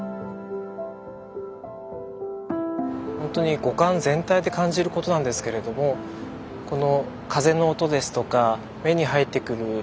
ホントに五感全体で感じることなんですけれどもこの風の音ですとか目に入ってくる緑の景色。